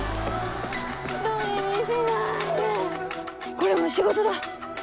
これも仕事だ！